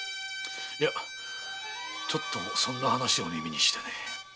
いやちょっとそんな話を耳にしてね。